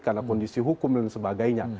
karena kondisi hukum dan sebagainya